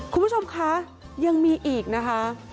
คุณผู้ชมคะยังมีอีกนะคะ